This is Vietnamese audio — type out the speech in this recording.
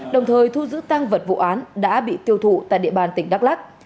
đồng thời thu giữ tăng vật vụ án đã bị tiêu thụ tại địa bàn tỉnh đắk lắc